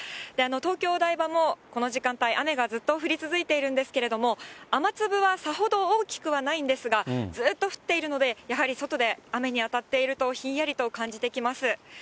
東京・お台場も、この時間、雨がずっと降り続いているんですけれども、雨粒はさほど大きくはないんですが、ずっと降っているので、やはり外で雨に当たっていると、やはりひんやりと感じてきます。